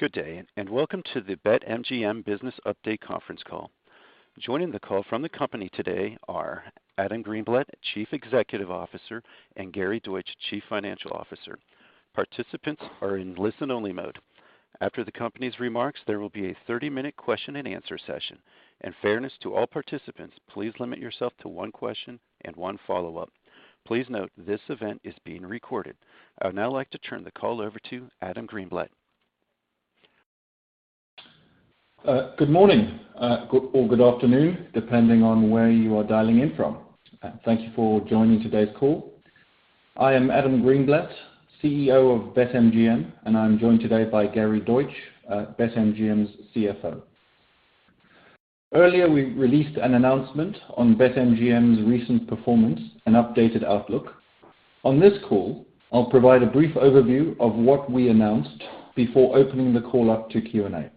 Good day, and welcome to the BetMGM Business Update Conference Call. Joining the call from the company today are Adam Greenblatt, Chief Executive Officer; and Gary Deutsch, Chief Financial Officer. Participants are in listen-only mode. After the company's remarks, there will be a 30-minute question-and-answer session. In fairness to all participants, please limit yourself to one question and one follow-up. Please note, this event is being recorded. I would now like to turn the call over to Adam Greenblatt. Good morning or good afternoon, depending on where you are dialing in from. Thank you for joining today's call. I am Adam Greenblatt, CEO of BetMGM, and I'm joined today by Gary Deutsch, BetMGM's CFO. Earlier, we released an announcement on BetMGM's recent performance and updated outlook. On this call, I'll provide a brief overview of what we announced before opening the call up to Q&A.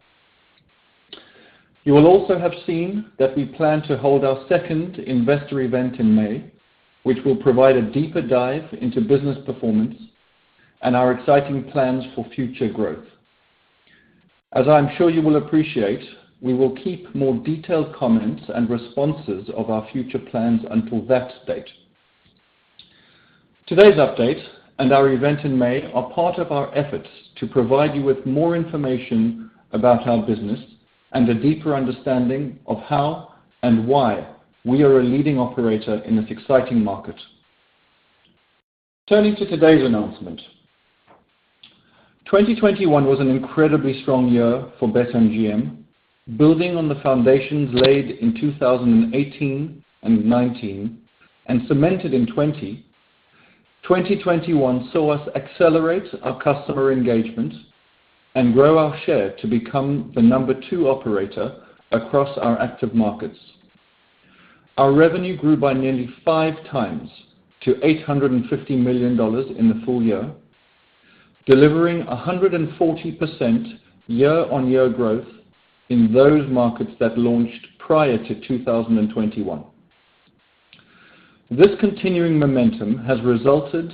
You will also have seen that we plan to hold our second investor event in May, which will provide a deeper dive into business performance and our exciting plans for future growth. As I am sure you will appreciate, we will keep more detailed comments and responses of our future plans until that date. Today's update and our event in May are part of our efforts to provide you with more information about our business and a deeper understanding of how and why we are a leading operator in this exciting market. Turning to today's announcement. 2021 was an incredibly strong year for BetMGM, building on the foundations laid in 2018 and 2019 and cemented in 2020. 2021 saw us accelerate our customer engagement and grow our share to become the number two operator across our active markets. Our revenue grew by nearly 5x to $850 million in the full year, delivering 140% year-on-year growth in those markets that launched prior to 2021. This continuing momentum has resulted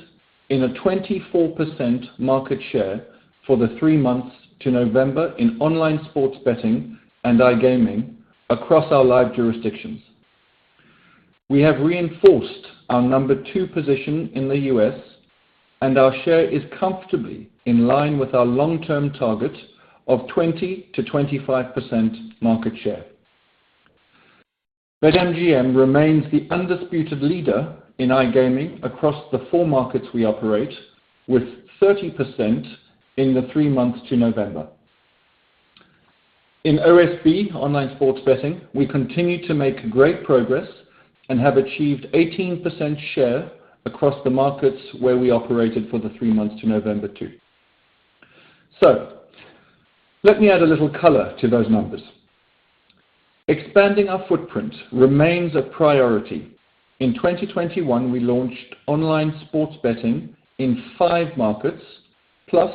in a 24% market share for the three months to November in online sports betting and iGaming across our live jurisdictions. We have reinforced our number two position in the U.S., and our share is comfortably in line with our long-term target of 20%-25% market share. BetMGM remains the undisputed leader in iGaming across the four markets we operate, with 30% in the three months to November. In OSB, online sports betting, we continue to make great progress and have achieved 18% share across the markets where we operated for the three months to November 2. Let me add a little color to those numbers. Expanding our footprint remains a priority. In 2021, we launched online sports betting in five markets, plus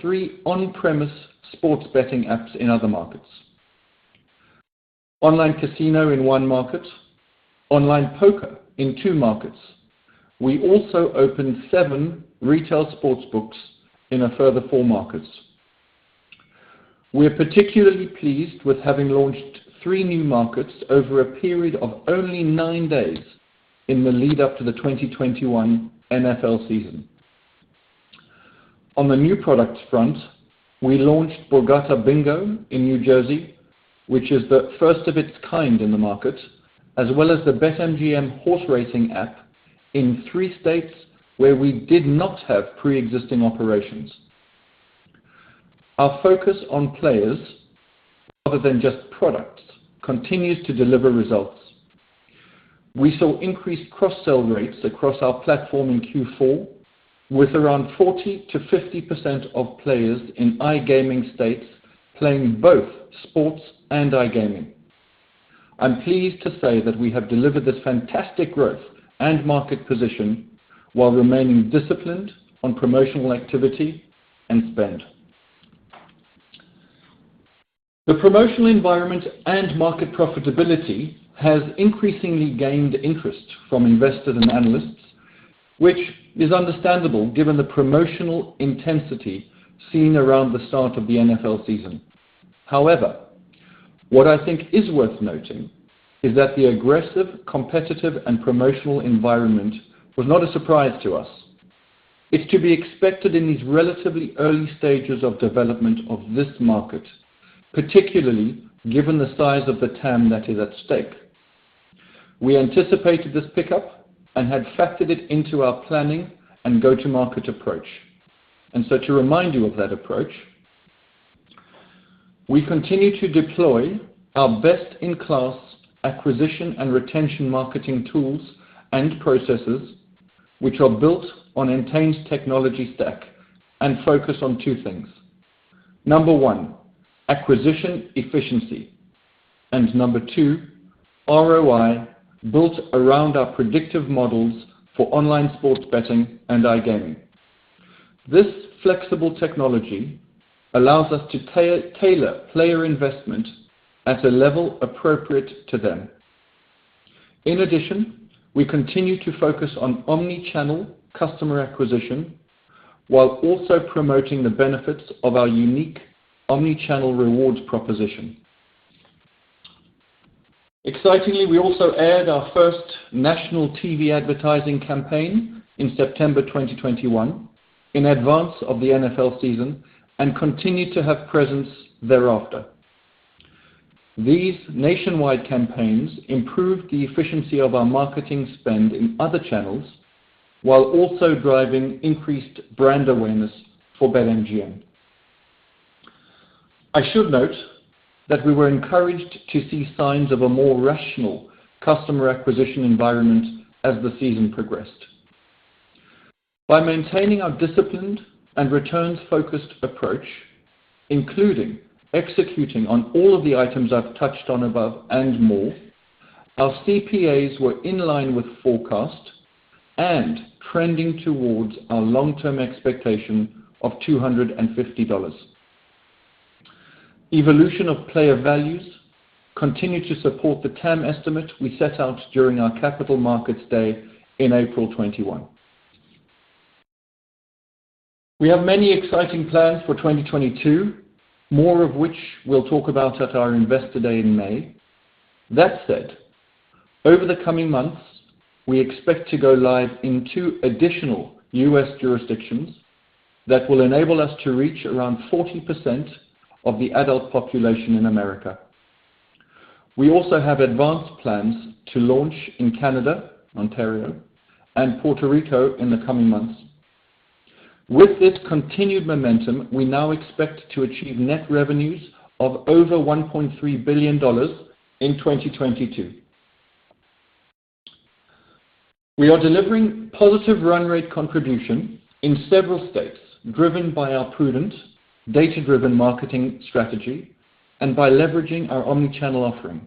three on-premise sports betting apps in other markets. Online casino in one market, online poker in two markets. We also opened seven retail sports books in a further four markets. We are particularly pleased with having launched three new markets over a period of only nine days in the lead-up to the 2021 NFL season. On the new product front, we launched Borgata Bingo in New Jersey, which is the first of its kind in the market, as well as the BetMGM Horse Racing app in three states where we did not have pre-existing operations. Our focus on players, other than just products, continues to deliver results. We saw increased cross-sell rates across our platform in Q4, with around 40%-50% of players in iGaming states playing both sports and iGaming. I'm pleased to say that we have delivered this fantastic growth and market position while remaining disciplined on promotional activity and spend. The promotional environment and market profitability has increasingly gained interest from investors and analysts, which is understandable given the promotional intensity seen around the start of the NFL season. However, what I think is worth noting is that the aggressive, competitive, and promotional environment was not a surprise to us. It's to be expected in these relatively early stages of development of this market, particularly given the size of the TAM that is at stake. We anticipated this pickup and had factored it into our planning and go-to-market approach. To remind you of that approach, we continue to deploy our best-in-class acquisition and retention marketing tools and processes, which are built on Entain's technology stack and focus on two things. Number one, acquisition efficiency. Number two, ROI built around our predictive models for online sports betting and iGaming. This flexible technology allows us to tailor player investment at a level appropriate to them. In addition, we continue to focus on omni-channel customer acquisition, while also promoting the benefits of our unique omni-channel rewards proposition. Excitingly, we also aired our first national TV advertising campaign in September 2021 in advance of the NFL season and continued to have presence thereafter. These nationwide campaigns improved the efficiency of our marketing spend in other channels while also driving increased brand awareness for BetMGM. I should note that we were encouraged to see signs of a more rational customer acquisition environment as the season progressed. By maintaining our disciplined and returns-focused approach, including executing on all of the items I've touched on above and more, our CPAs were in line with forecast and trending towards our long-term expectation of $250. Evolution of player values continued to support the TAM estimate we set out during our Capital Markets Day in April 2021. We have many exciting plans for 2022, more of which we'll talk about at our Investor Day in May. That said, over the coming months, we expect to go live in two additional U.S. jurisdictions that will enable us to reach around 40% of the adult population in America. We also have advanced plans to launch in Canada, Ontario, and Puerto Rico in the coming months. With this continued momentum, we now expect to achieve net revenues of over $1.3 billion in 2022. We are delivering positive run rate contribution in several states, driven by our prudent data-driven marketing strategy and by leveraging our omni-channel offering.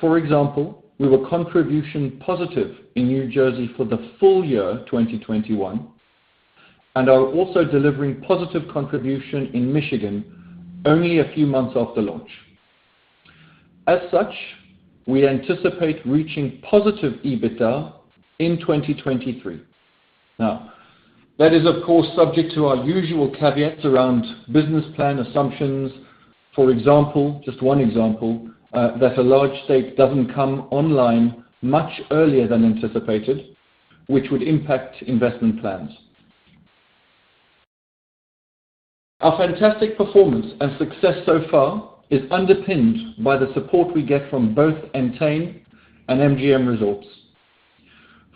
For example, we were contribution positive in New Jersey for the full year 2021, and are also delivering positive contribution in Michigan only a few months after launch. As such, we anticipate reaching positive EBITDA in 2023. Now, that is, of course, subject to our usual caveats around business plan assumptions. For example, just one example, that a large state doesn't come online much earlier than anticipated, which would impact investment plans. Our fantastic performance and success so far is underpinned by the support we get from both Entain and MGM Resorts.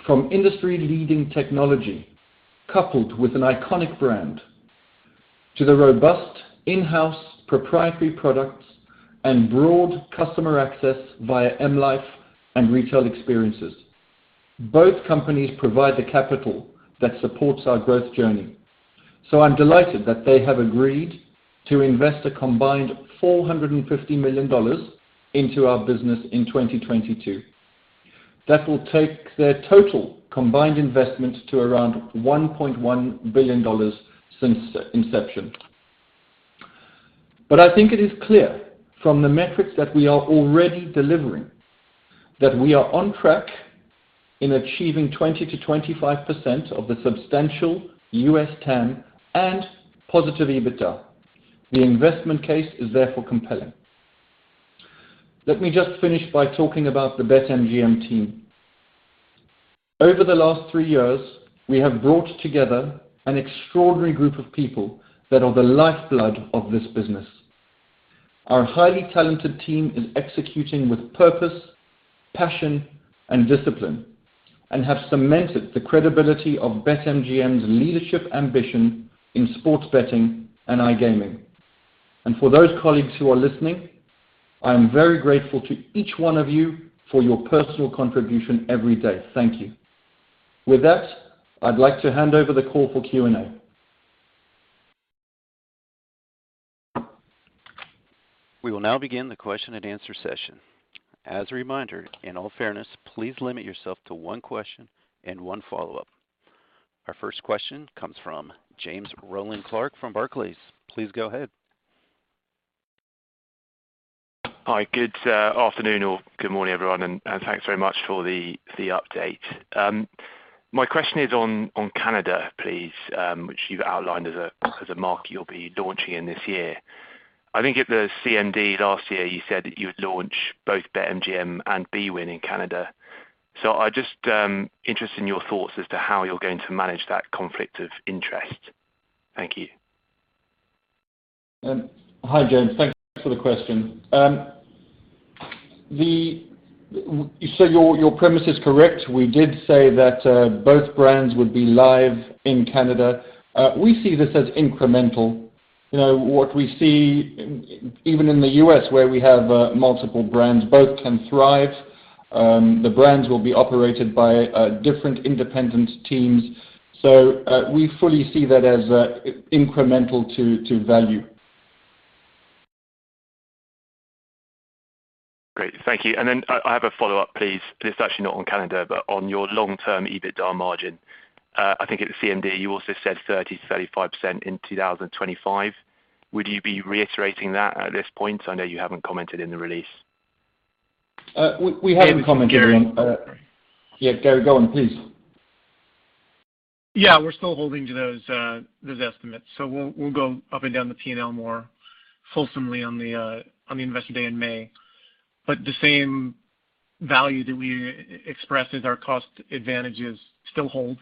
From industry-leading technology coupled with an iconic brand to the robust in-house proprietary products and broad customer access via M life and retail experiences. Both companies provide the capital that supports our growth journey, so I'm delighted that they have agreed to invest a combined $450 million into our business in 2022. That will take their total combined investment to around $1.1 billion since inception. I think it is clear from the metrics that we are already delivering that we are on track in achieving 20%-25% of the substantial U.S. TAM and positive EBITDA. The investment case is therefore compelling. Let me just finish by talking about the BetMGM team. Over the last three years, we have brought together an extraordinary group of people that are the lifeblood of this business. Our highly talented team is executing with purpose, passion, and discipline and have cemented the credibility of BetMGM's leadership ambition in sports betting and iGaming. For those colleagues who are listening, I am very grateful to each one of you for your personal contribution every day. Thank you. With that, I'd like to hand over the call for Q&A. We will now begin the question and answer session. As a reminder, in all fairness, please limit yourself to one question and one follow-up. Our first question comes from James Rowland Clark from Barclays. Please go ahead. Hi. Good afternoon, or good morning, everyone, and thanks very much for the update. My question is on Canada, please, which you've outlined as a market you'll be launching in this year. I think at the CMD last year, you said that you would launch both BetMGM and bwin in Canada. I'm just interested in your thoughts as to how you're going to manage that conflict of interest. Thank you. Hi, James. Thanks for the question. Your premise is correct. We did say that both brands would be live in Canada. We see this as incremental. You know, what we see even in the U.S., where we have multiple brands, both can thrive. The brands will be operated by different independent teams. We fully see that as incremental to value. Great. Thank you. I have a follow-up, please. It's actually not on Canada but on your long-term EBITDA margin. I think at the CMD, you also said 30%-35% in 2025. Would you be reiterating that at this point? I know you haven't commented in the release. We haven't commented on. Maybe, Gary. Yeah, Gary, go on, please. Yeah. We're still holding to those estimates. We'll go up and down the P&L more fulsomely on the Investor Day in May. The same value that we expressed as our cost advantages still hold.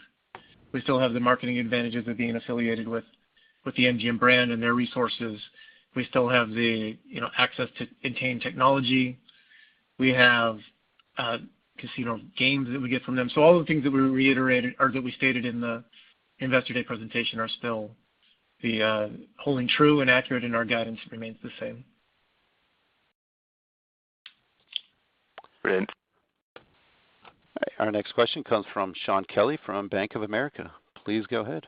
We still have the marketing advantages of being affiliated with the MGM brand and their resources. We still have the, you know, access to Entain technology. We have casino games that we get from them. All of the things that we reiterated or that we stated in the Investor Day presentation are still holding true and accurate, and our guidance remains the same. Brilliant. Our next question comes from Shaun Kelley from Bank of America. Please go ahead.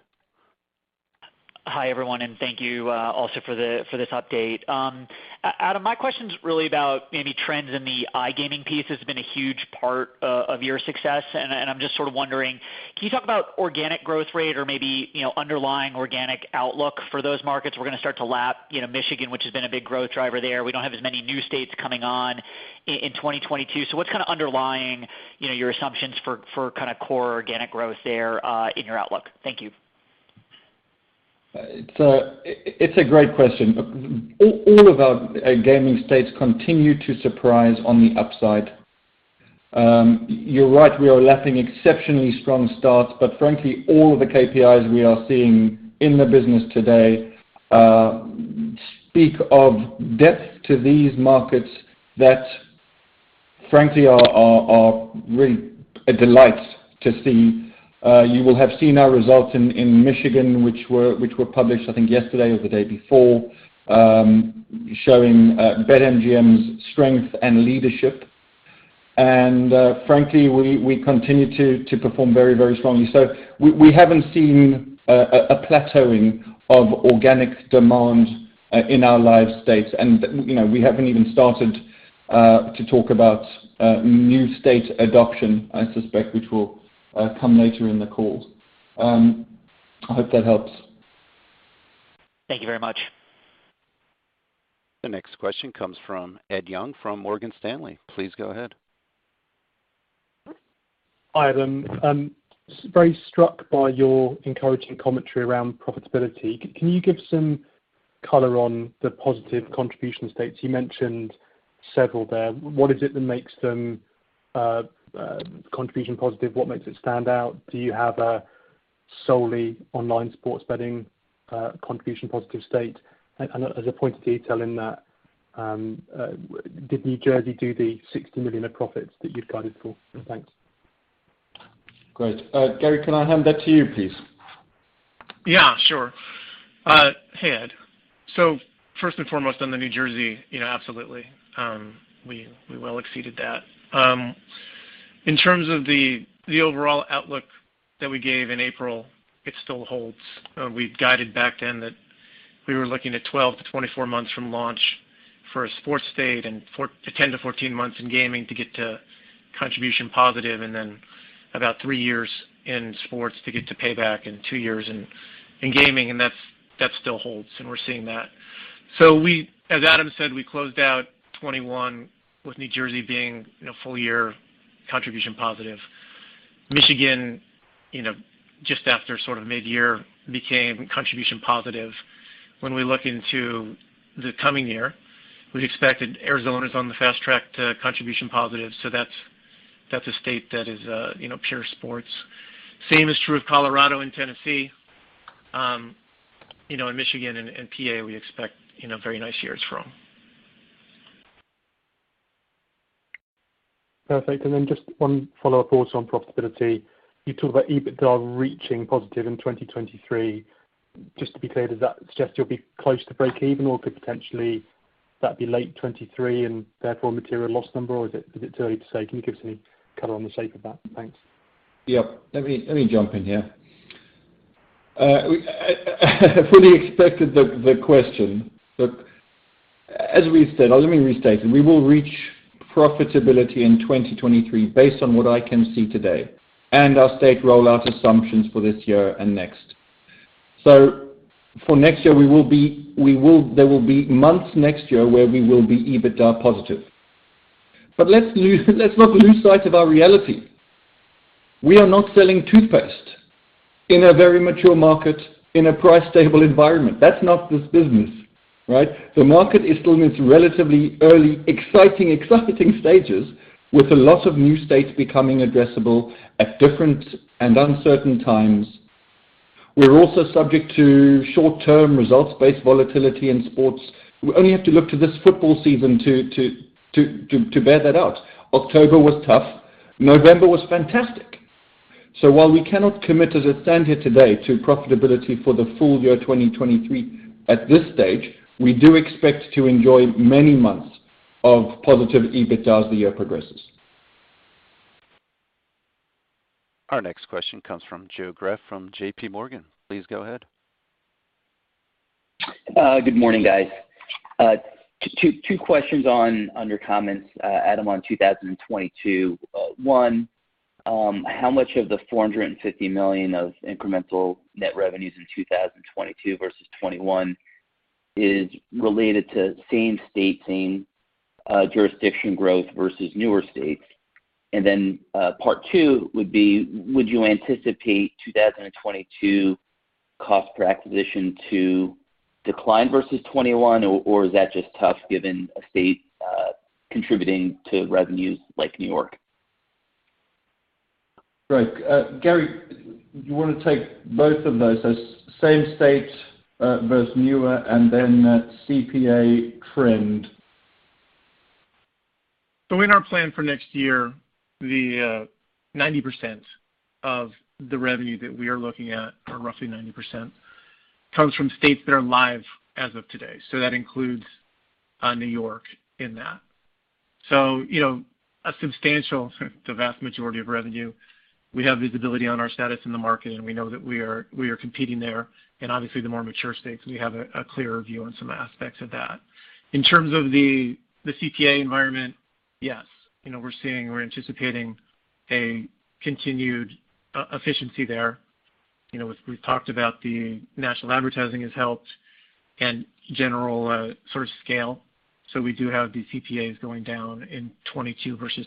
Hi, everyone, and thank you also for this update. Adam, my question is really about any trends in the iGaming piece. It's been a huge part of your success, and I'm just sort of wondering, can you talk about organic growth rate or maybe, you know, underlying organic outlook for those markets? We're gonna start to lap, you know, Michigan, which has been a big growth driver there. We don't have as many new states coming on in 2022. So what's kinda underlying, you know, your assumptions for kinda core organic growth there in your outlook? Thank you. It's a great question. All of our iGaming states continue to surprise on the upside. You're right, we are lapping exceptionally strong starts, but frankly, all of the KPIs we are seeing in the business today speak of depth to these markets that frankly are really a delight to see. You will have seen our results in Michigan, which were published, I think, yesterday or the day before, showing BetMGM's strength and leadership. Frankly, we continue to perform very strongly. We haven't seen a plateauing of organic demand in our live states. You know, we haven't even started to talk about new state adoption, I suspect, which will come later in the call. I hope that helps. Thank you very much. The next question comes from Ed Young from Morgan Stanley. Please go ahead. Hi, Adam. I'm very struck by your encouraging commentary around profitability. Can you give some color on the positive contribution states? You mentioned several there. What is it that makes them contribution positive? What makes it stand out? Do you have a solely online sports betting contribution positive state? As a point of detail in that, did New Jersey do the $60 million of profits that you'd guided for? Thanks. Great. Gary, can I hand that to you, please? Yeah, sure. Hey, Ed. First and foremost, on the New Jersey, you know, absolutely, we well exceeded that. In terms of the overall outlook that we gave in April, it still holds. We'd guided back then that we were looking at 12-24 months from launch for a sports state and 10-14 months in gaming to get to contribution positive and then about three years in sports to get to pay back and two years in gaming, and that still holds, and we're seeing that. As Adam said, we closed out 2021 with New Jersey being, you know, full year contribution positive. Michigan, you know, just after sort of mid-year became contribution positive. When we look into the coming year, we've expected Arizona's on the fast track to contribution positive. That's a state that is, you know, pure sports. Same is true of Colorado and Tennessee, you know, and Michigan and PA, we expect, you know, very nice years from. Perfect. Just one follow-up also on profitability. You talked about EBITDA reaching positive in 2023. Just to be clear, does that suggest you'll be close to breakeven or could potentially that be late 2023 and therefore a material loss number? Or is it too early to say? Can you give us any color on the shape of that? Thanks. Yep. Let me jump in here. We fully expected the question, but as we said. Let me restate it. We will reach profitability in 2023 based on what I can see today and our state rollout assumptions for this year and next. For next year, there will be months next year where we will be EBITDA positive. Let's not lose sight of our reality. We are not selling toothpaste in a very mature market, in a price stable environment. That's not this business, right? The market is still in its relatively early, exciting stages, with a lot of new states becoming addressable at different and uncertain times. We're also subject to short-term results-based volatility in sports. We only have to look to this football season to bear that out. October was tough, November was fantastic. While we cannot commit as a standard today to profitability for the full year 2023, at this stage, we do expect to enjoy many months of positive EBITDA as the year progresses. Our next question comes from Joe Greff from JPMorgan. Please go ahead. Good morning, guys. Two questions on the comments, Adam, on 2022. One, how much of the $450 million of incremental net revenues in 2022 versus 2021 is related to same state, same jurisdiction growth versus newer states? And then, part two would be you anticipate 2022 cost per acquisition to decline versus 2021 or is that just tough given a state contributing to revenues like New York? Right. Gary, you wanna take both of those as same state versus newer and then CPA trend. In our plan for next year, the 90% of the revenue that we are looking at, or roughly 90%, comes from states that are live as of today. That includes New York in that. You know, the vast majority of revenue, we have visibility on our status in the market, and we know that we are competing there. Obviously the more mature states, we have a clearer view on some aspects of that. In terms of the CPA environment, yes. You know, we're seeing, we're anticipating a continued efficiency there. You know, we've talked about the national advertising has helped and general sort of scale. We do have the CPAs going down in 2022 versus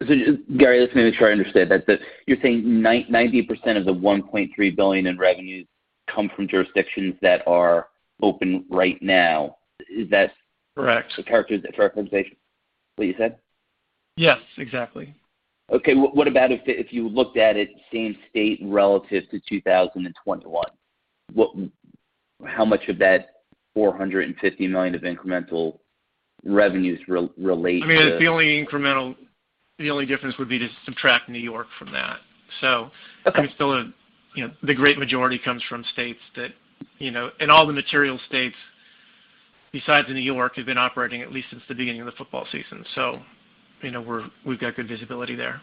2021. Just, Gary, let's make sure I understand that you're saying 90% of the 1.3 billion in revenues come from jurisdictions that are open right now. Is that- Correct. Is that a fair representation of what you said? Yes. Exactly. Okay. What about if you looked at it same state relative to 2021? What. How much of that 450 million of incremental revenues relate to- I mean, the only difference would be to subtract New York from that. Okay. I mean, still, you know, the great majority comes from states that, you know. All the material states, besides New York, have been operating at least since the beginning of the football season. You know, we've got good visibility there.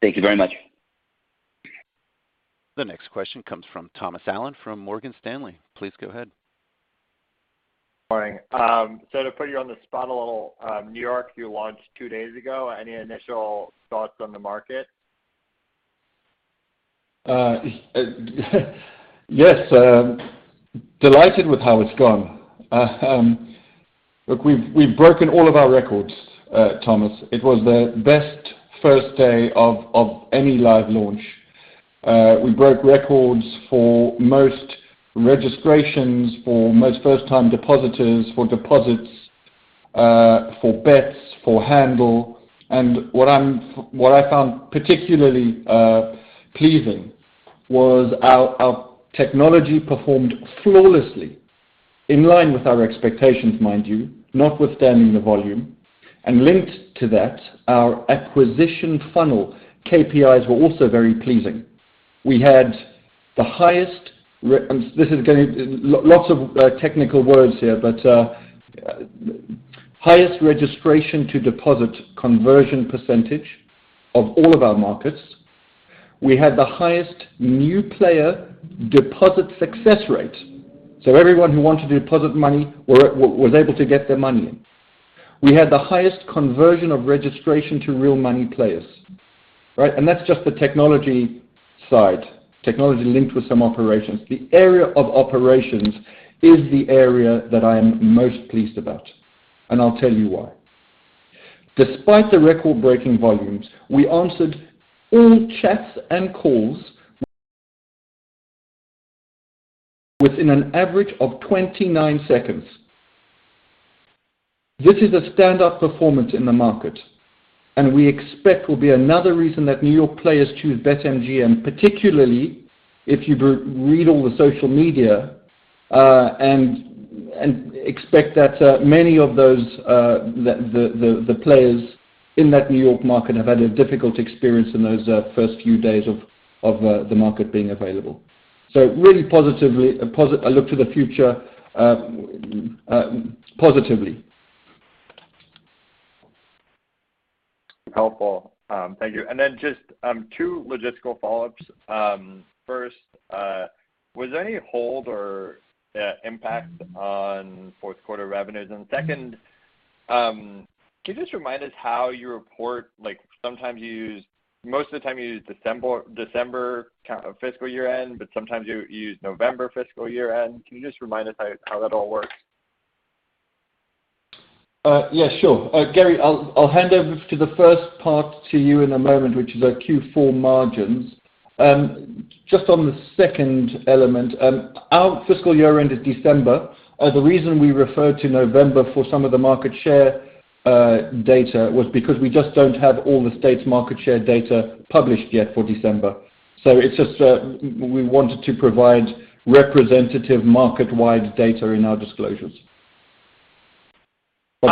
Thank you very much. The next question comes from Thomas Allen from Morgan Stanley. Please go ahead. Morning. To put you on the spot a little, New York, you launched two days ago. Any initial thoughts on the market? Yes. Delighted with how it's gone. Look, we've broken all of our records, Thomas. It was the best first day of any live launch. We broke records for most registrations, for most first-time depositors, for deposits, for bets, for handle. What I found particularly pleasing was our technology performed flawlessly in line with our expectations, mind you, notwithstanding the volume, and linked to that, our acquisition funnel KPIs were also very pleasing. We had the highest registration to deposit conversion percentage of all of our markets. We had the highest new player deposit success rate, so everyone who wanted to deposit money was able to get their money in. We had the highest conversion of registration to real money players, right? That's just the technology side, technology linked with some operations. The area of operations is the area that I am most pleased about, and I'll tell you why. Despite the record-breaking volumes, we answered all chats and calls within an average of 29 seconds. This is a standout performance in the market, and we expect will be another reason that New York players choose BetMGM, particularly if you read all the social media, and expect that many of those the players in that New York market have had a difficult experience in those first few days of the market being available. Really positively, I look to the future positively. Helpful. Thank you. Just two logistical follow-ups. First, was there any hold or impact on fourth quarter revenues? Second, can you just remind us how you report, most of the time you use December count of fiscal year-end, but sometimes you use November fiscal year-end. Can you just remind us how that all works? Yeah, sure. Gary, I'll hand over to the first part to you in a moment, which is our Q4 margins. Just on the second element, our fiscal year-end is December. The reason we refer to November for some of the market share data was because we just don't have all the state's market share data published yet for December. It's just, we wanted to provide representative market-wide data in our disclosures.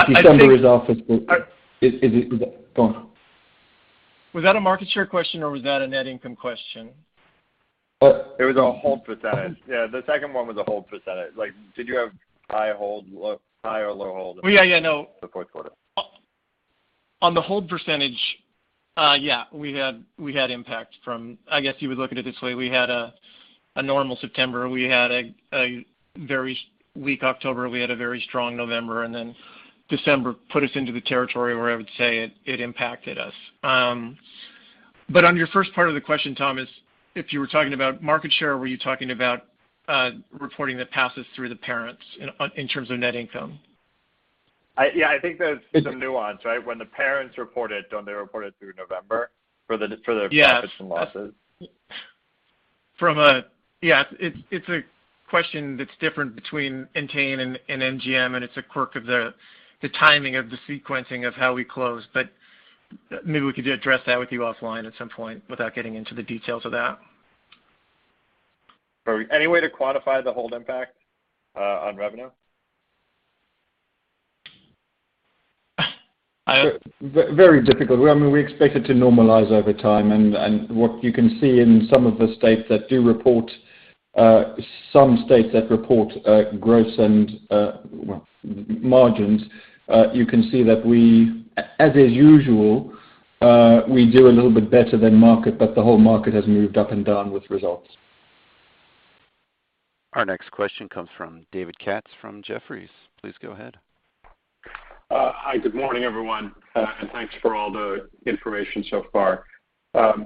December is our fiscal. I think Is it? Go on. Was that a market share question or was that a net income question? It was a hold percentage. Yeah, the second one was a hold percentage. Like, did you have high hold, low, high or low hold? Yeah, no. For fourth quarter? On the hold percentage, yeah, we had impact from. I guess you would look at it this way. We had a normal September. We had a very weak October. We had a very strong November, and then December put us into the territory where I would say it impacted us. On your first part of the question, Tom, is if you were talking about market share or were you talking about reporting that passes through the parents in terms of net income? Yeah, I think there's some nuance, right? When the parents report it, don't they report it through November for the- Yes... for their profits and losses? It's a question that's different between Entain and MGM, and it's a quirk of the timing of the sequencing of how we close. But maybe we could address that with you offline at some point without getting into the details of that. Any way to quantify the hold impact on revenue? I- Very difficult. I mean, we expect it to normalize over time. What you can see in some of the states that do report gross margins, you can see that we as usual do a little bit better than market, but the whole market has moved up and down with results. Our next question comes from David Katz from Jefferies. Please go ahead. Hi, good morning, everyone, and thanks for all the information so far. I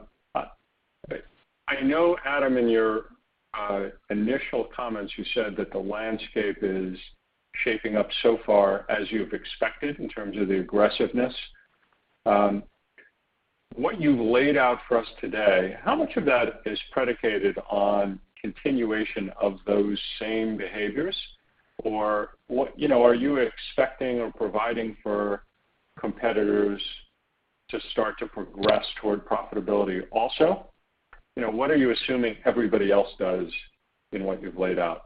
know, Adam, in your initial comments, you said that the landscape is shaping up so far as you've expected in terms of the aggressiveness. What you've laid out for us today, how much of that is predicated on continuation of those same behaviors? You know, are you expecting or providing for competitors to start to progress toward profitability also? You know, what are you assuming everybody else does in what you've laid out?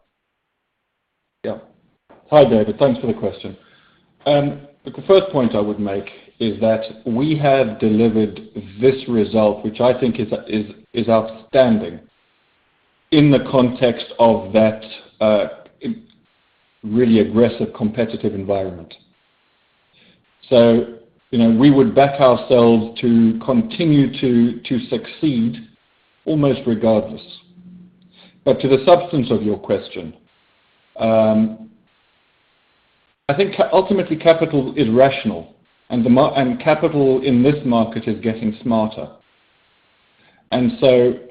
Yeah. Hi, David. Thanks for the question. The first point I would make is that we have delivered this result, which I think is outstanding in the context of that really aggressive competitive environment. You know, we would back ourselves to continue to succeed almost regardless. To the substance of your question, I think ultimately capital is rational, and capital in this market is getting smarter.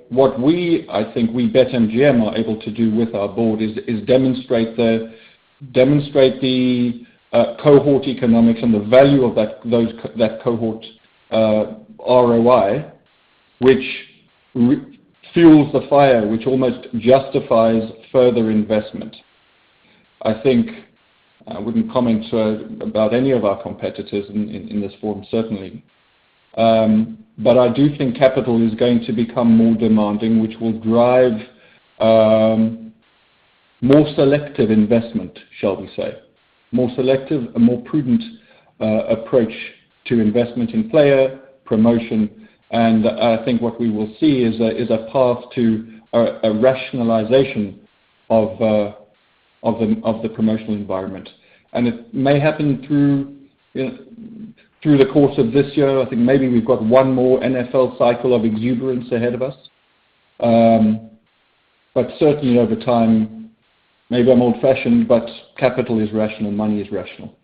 What we, I think we BetMGM are able to do with our board is demonstrate the cohort economics and the value of that cohort ROI, which refuels the fire, which almost justifies further investment. I think I wouldn't comment about any of our competitors in this forum, certainly. I do think capital is going to become more demanding, which will drive more selective investment, shall we say. A more prudent approach to investment in player promotion. I think what we will see is a path to a rationalization of the promotional environment. It may happen through the course of this year. I think maybe we've got one more NFL cycle of exuberance ahead of us. Certainly over time, maybe I'm old-fashioned, but capital is rational, money is rational.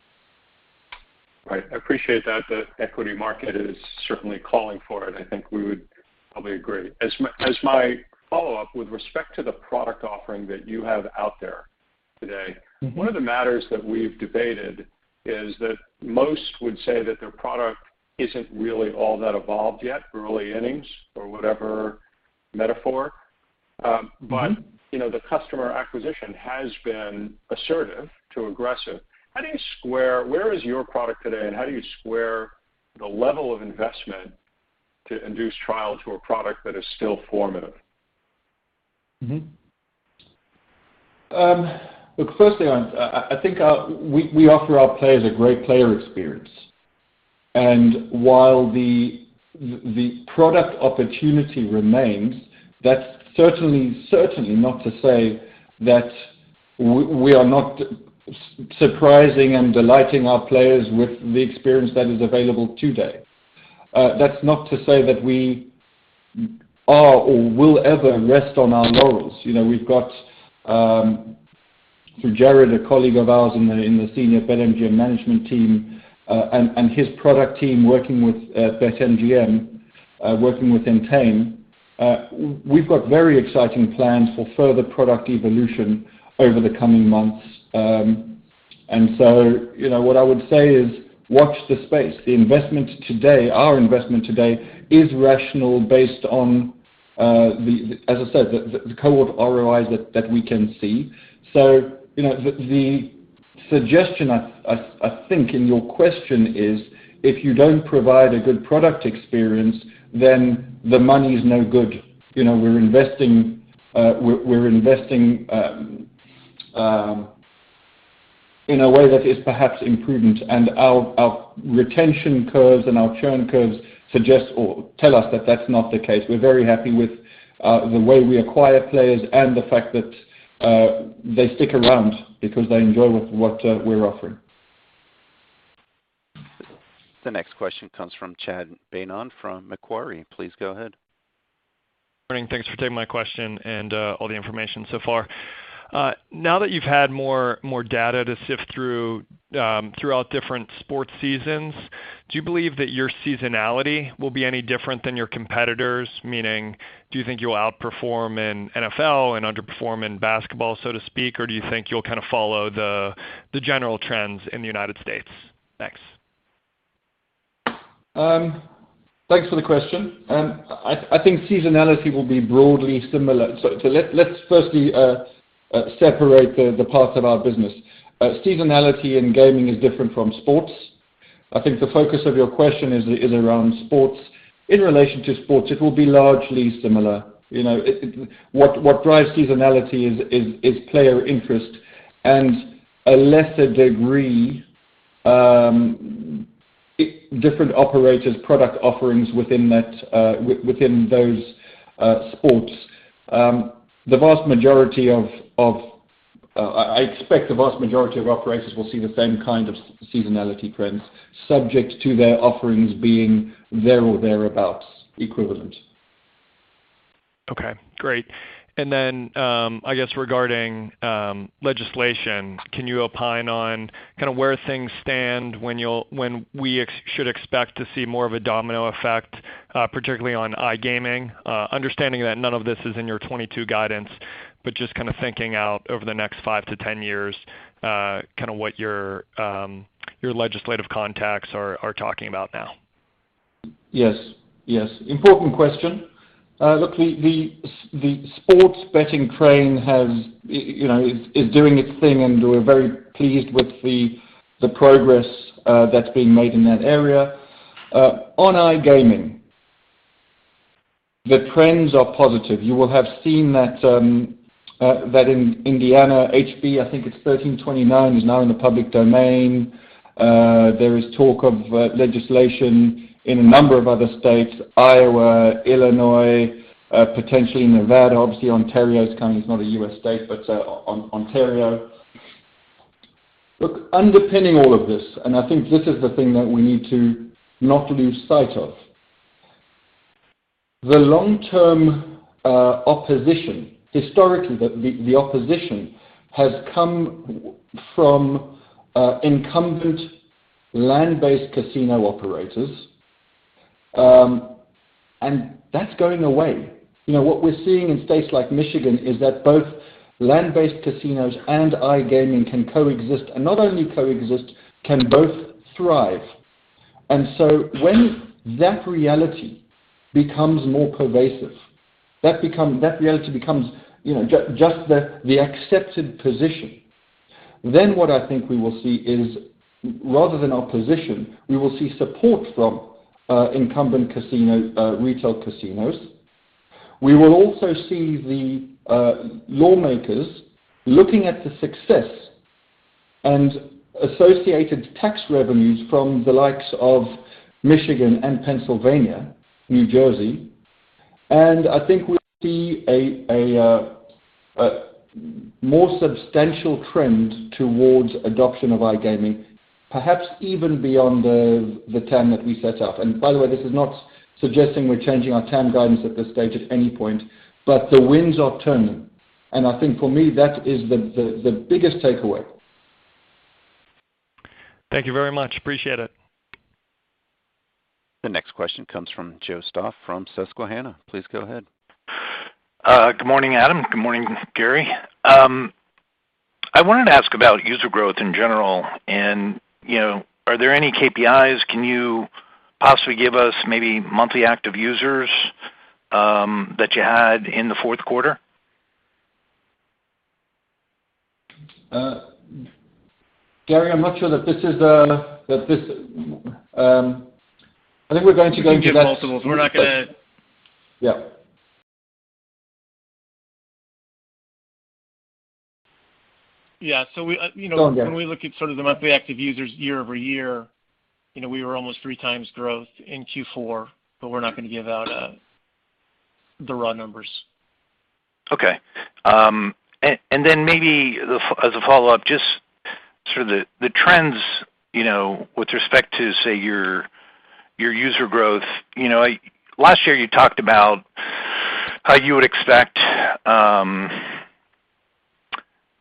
Right. I appreciate that. The equity market is certainly calling for it. I think we would probably agree. As my follow-up, with respect to the product offering that you have out there today. Mm-hmm. One of the matters that we've debated is that most would say that their product isn't really all that evolved yet, early innings or whatever metaphor. Mm-hmm. You know, the customer acquisition has been assertive to aggressive. Where is your product today, and how do you square the level of investment to induce trial to a product that is still formative? Look, firstly, we offer our players a great player experience. While the product opportunity remains, that's certainly not to say that we are not surprising and delighting our players with the experience that is available today. That's not to say that we are or will ever rest on our laurels. You know, we've got through Jarrod, a colleague of ours in the senior BetMGM management team, and his product team working with BetMGM, working with Entain, we've got very exciting plans for further product evolution over the coming months. You know, what I would say is watch this space. The investment today, our investment today is rational based on, as I said, the cohort ROIs that we can see. You know, the suggestion I think in your question is, if you don't provide a good product experience, then the money is no good. You know, we're investing in a way that is perhaps imprudent. Our retention curves and our churn curves suggest or tell us that that's not the case. We're very happy with the way we acquire players and the fact that they stick around because they enjoy what we're offering. The next question comes from Chad Beynon from Macquarie. Please go ahead. Morning. Thanks for taking my question and all the information so far. Now that you've had more data to sift through throughout different sports seasons, do you believe that your seasonality will be any different than your competitors? Meaning, do you think you'll outperform in NFL and underperform in basketball, so to speak? Or do you think you'll kinda follow the general trends in the United States? Thanks. Thanks for the question. I think seasonality will be broadly similar. Let's firstly separate the parts of our business. Seasonality in gaming is different from sports. I think the focus of your question is around sports. In relation to sports, it will be largely similar. You know, what drives seasonality is player interest and a lesser degree different operators product offerings within that within those sports. I expect the vast majority of operators will see the same kind of seasonality trends subject to their offerings being there or thereabout equivalent. Okay, great. I guess regarding legislation, can you opine on kinda where things stand, when we should expect to see more of a domino effect, particularly on iGaming, understanding that none of this is in your 2022 guidance, but just kinda thinking out over the next five to 10 years, kinda what your legislative contacts are talking about now. Yes. Yes. Important question. Look, the sports betting train has, you know, is doing its thing, and we're very pleased with the progress that's being made in that area. On iGaming, the trends are positive. You will have seen that in Indiana, HB, I think it's 1329, is now in the public domain. There is talk of legislation in a number of other states, Iowa, Illinois, potentially Nevada. Obviously, Ontario is coming. It's not a U.S. state, but Ontario. Look, underpinning all of this, and I think this is the thing that we need to not lose sight of. The long-term opposition, historically, the opposition has come from incumbent land-based casino operators, and that's going away. You know, what we're seeing in states like Michigan is that both land-based casinos and iGaming can coexist. Not only coexist, can both thrive. When that reality becomes more pervasive, you know, just the accepted position, then what I think we will see is, rather than opposition, we will see support from incumbent casino retail casinos. We will also see the lawmakers looking at the success and associated tax revenues from the likes of Michigan and Pennsylvania, New Jersey. I think we'll see a more substantial trend towards adoption of iGaming, perhaps even beyond the 10 that we set up. By the way, this is not suggesting we're changing our 10 guidance at this stage at any point, but the winds are turning, and I think for me, that is the biggest takeaway. Thank you very much. Appreciate it. The next question comes from Joe Stauff from Susquehanna. Please go ahead. Good morning, Adam. Good morning, Gary. I wanted to ask about user growth in general and, you know, are there any KPIs? Can you possibly give us maybe monthly active users that you had in the fourth quarter? Gary, I think we're going to go into that. We can give multiples. Yeah. Yeah. We, you know. Go on, Gary. When we look at sort of the monthly active users year-over-year, you know, we were almost 3x growth in Q4, but we're not gonna give out the raw numbers. Okay. Maybe as a follow-up, just sort of the trends, you know, with respect to, say, your user growth. You know, last year you talked about how you would expect,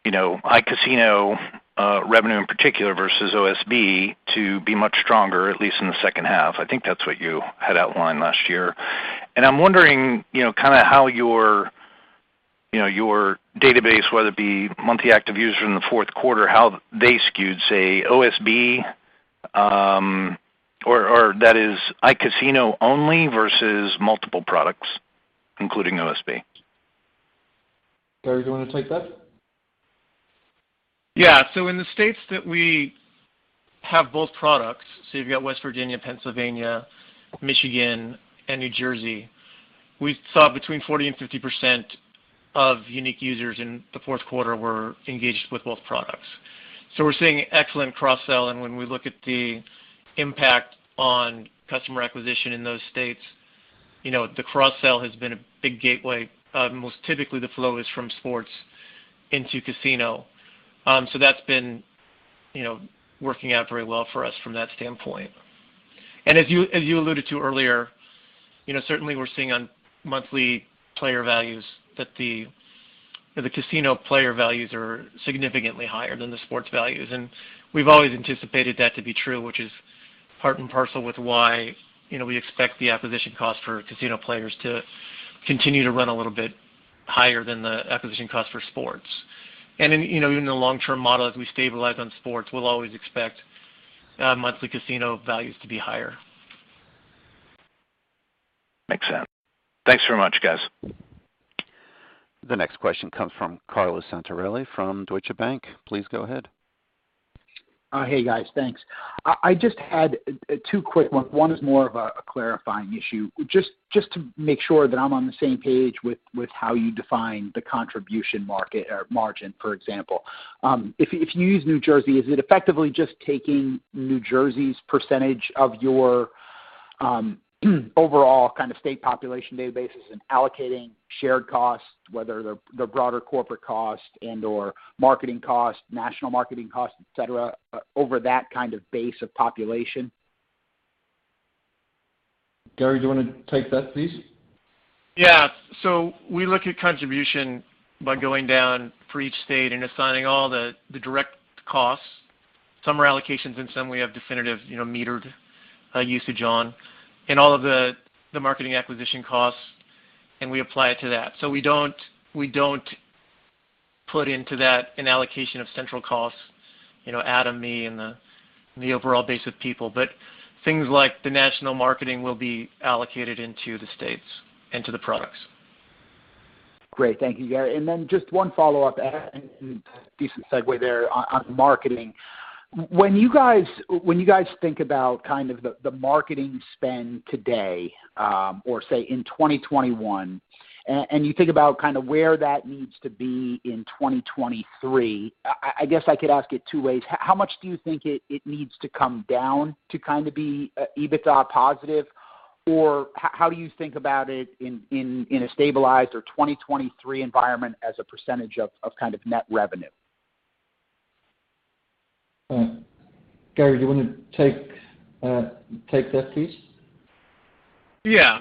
you know, iCasino revenue in particular versus OSB to be much stronger, at least in the second half. I think that's what you had outlined last year. I'm wondering, you know, kinda how your database, whether it be monthly active user in the fourth quarter, how they skewed, say, OSB, or that is iCasino only versus multiple products, including OSB. Gary, do you wanna take that? Yeah. In the states that we have both products, you've got West Virginia, Pennsylvania, Michigan, and New Jersey, we saw between 40%-50% of unique users in the fourth quarter were engaged with both products. We're seeing excellent cross-sell. When we look at the impact on customer acquisition in those states, you know, the cross-sell has been a big gateway. Most typically the flow is from sports into casino. That's been, you know, working out very well for us from that standpoint. As you alluded to earlier, you know, certainly we're seeing on monthly player values that the casino player values are significantly higher than the sports values. We've always anticipated that to be true, which is part and parcel with why, you know, we expect the acquisition cost for casino players to continue to run a little bit higher than the acquisition cost for sports. In, you know, in the long-term model, as we stabilize on sports, we'll always expect monthly casino values to be higher. Makes sense. Thanks very much, guys. The next question comes from Carlo Santarelli from Deutsche Bank. Please go ahead. Hey, guys. Thanks. I just had two quick ones. One is more of a clarifying issue. To make sure that I'm on the same page with how you define the contribution market or margin, for example. If you use New Jersey, is it effectively just taking New Jersey's percentage of your overall kind of state population databases and allocating shared costs, whether the broader corporate cost and/or marketing cost, national marketing costs, et cetera, over that kind of base of population? Gary, do you wanna take that, please? We look at contribution by going down for each state and assigning all the direct costs. Some are allocations, and some we have definitive, you know, metered usage on, and all of the marketing acquisition costs, and we apply it to that. We don't put into that an allocation of central costs, you know, admin and the overall base of people. Things like the national marketing will be allocated into the states, into the products. Great. Thank you, Gary. Then just one follow-up and decent segue there on marketing. When you guys think about kind of the marketing spend today, or say in 2021, and you think about kinda where that needs to be in 2023, I guess I could ask it two ways. How much do you think it needs to come down to kinda be EBITDA positive? Or how do you think about it in a stabilized or 2023 environment as a percentage of kind of net revenue? All right. Gary, do you wanna take that, please? Yeah.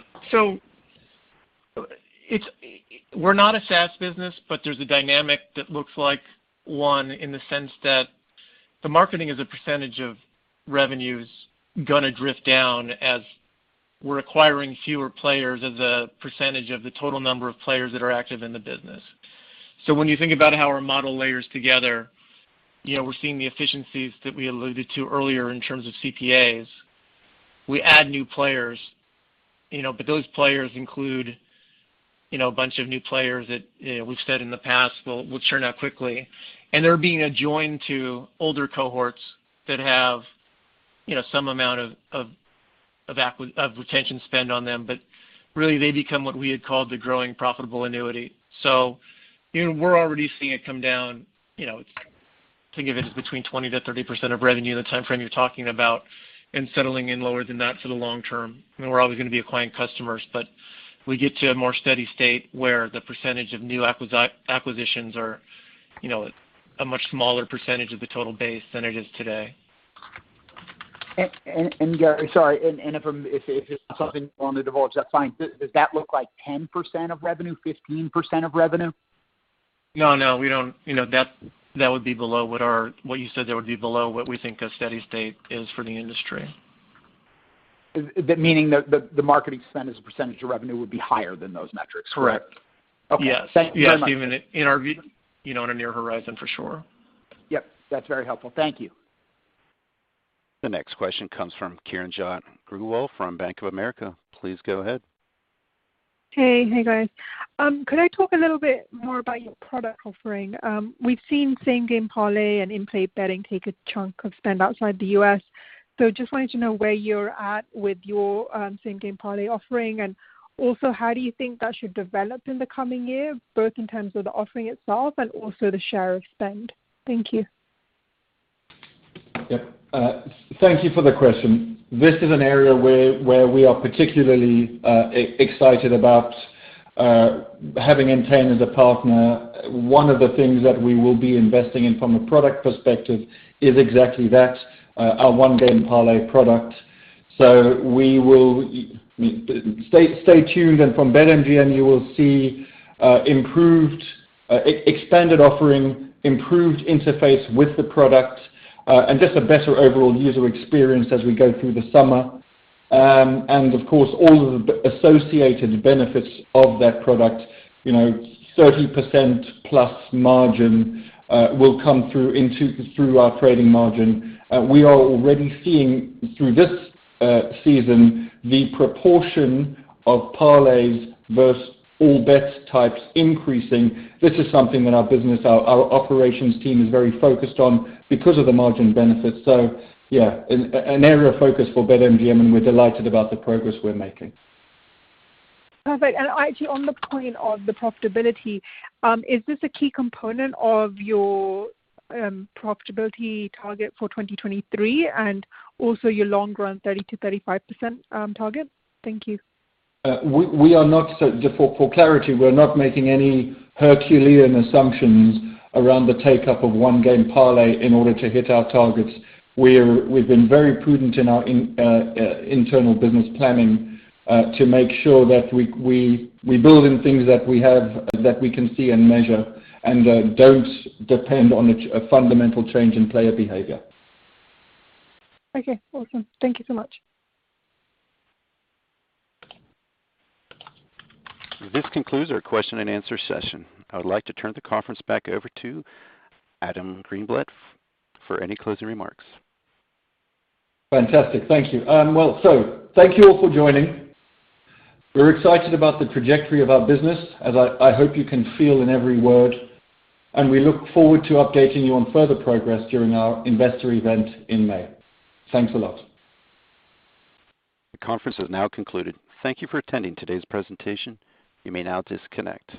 We're not a SaaS business, but there's a dynamic that looks like one in the sense that the marketing as a percentage of revenue is gonna drift down as we're acquiring fewer players as a percentage of the total number of players that are active in the business. When you think about how our model layers together, you know, we're seeing the efficiencies that we alluded to earlier in terms of CPAs. We add new players, you know, but those players include, you know, a bunch of new players that, you know, we've said in the past will churn out quickly. They're being adjoined to older cohorts that have, you know, some amount of retention spend on them. But really they become what we had called the growing profitable annuity. You know, we're already seeing it come down, you know, think of it as between 20%-30% of revenue in the timeframe you're talking about and settling in lower than that for the long term. You know, we're always gonna be acquiring customers, but we get to a more steady state where the percentage of new acquisitions are, you know, a much smaller percentage of the total base than it is today. Gary, sorry, if it's not something you wanna divulge, that's fine. Does that look like 10% of revenue, 15% of revenue? No, we don't. You know, that would be below what you said that would be below what we think a steady state is for the industry. Meaning the marketing spend as a percentage of revenue would be higher than those metrics? Correct. Okay. Yes. Thank you very much. Yes, even in our view, you know, in a near horizon for sure. Yep. That's very helpful. Thank you. The next question comes from Kiranjot Grewal from Bank of America. Please go ahead. Hey. Hey, guys. Could I talk a little bit more about your product offering? We've seen same-game parlay and in-play betting take a chunk of spend outside the U.S. Just wanted to know where you're at with your same-game parlay offering, and also how do you think that should develop in the coming year, both in terms of the offering itself and also the share of spend? Thank you. Yep. Thank you for the question. This is an area where we are particularly excited about having Entain as a partner. One of the things that we will be investing in from a product perspective is exactly that, our One Game Parlay product. Stay tuned, and from BetMGM, you will see improved expanded offering, improved interface with the product, and just a better overall user experience as we go through the summer. And of course, all of the associated benefits of that product, you know, 30% plus margin, will come through into our trading margin. We are already seeing through this season the proportion of parlays versus all bet types increasing. This is something that our business, our operations team is very focused on because of the margin benefits. Yeah, an area of focus for BetMGM, and we're delighted about the progress we're making. Perfect. Actually on the point of the profitability, is this a key component of your profitability target for 2023 and also your long run 30%-35% target? Thank you. For clarity, we're not making any Herculean assumptions around the take-up of One Game Parlay in order to hit our targets. We've been very prudent in our internal business planning to make sure that we build in things that we have that we can see and measure and don't depend on a fundamental change in player behavior. Okay. Awesome. Thank you so much. This concludes our question and answer session. I would like to turn the conference back over to Adam Greenblatt for any closing remarks. Fantastic. Thank you. Well, thank you all for joining. We're excited about the trajectory of our business, as I hope you can feel in every word, and we look forward to updating you on further progress during our investor event in May. Thanks a lot. The conference is now concluded. Thank you for attending today's presentation. You may now disconnect.